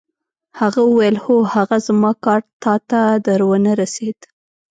هغه وویل: هو، هغه زما کارډ تا ته در ونه رسید؟